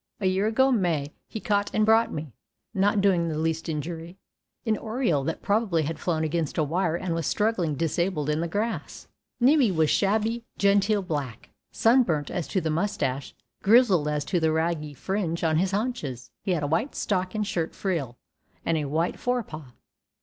A year ago May he caught and brought me, not doing the least injury, an oriole that probably had flown against a wire and was struggling disabled in the grass. Nibbie was shabby genteel black, sunburnt as to the mustache, grizzled as to the raggy fringe on his haunches. He had a white stock and shirt frill and a white fore paw.